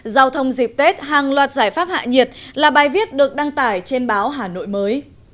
giao thông dịp tết hàng loạt giải pháp hạ nhiệt là bài viết được đăng tải trên báo hà nội mới